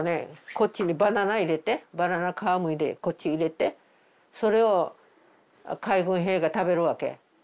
こっちにバナナ入れてバナナ皮をむいてこっちに入れてそれを海軍兵が食べるわけ。